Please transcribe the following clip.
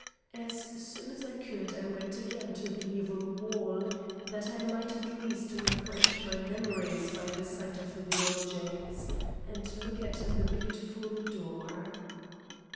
As soon as I could, I went again to the "evil wall," that I might at least refresh my memory by the sight of the objects, and look at the beautiful door.